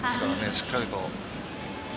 しっかりと。